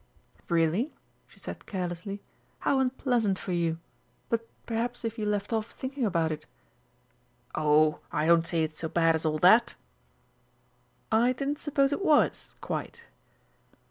"Really?" she said carelessly. "How unpleasant for you! But perhaps if you left off thinking about it !" "Oh, I don't say it's so bad as all that!" "I didn't suppose it was, quite."